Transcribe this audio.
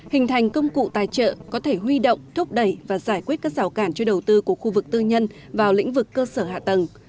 hình thành công cụ tài trợ có thể huy động thúc đẩy và giải quyết các rào cản cho đầu tư của khu vực tư nhân vào lĩnh vực cơ sở hạ tầng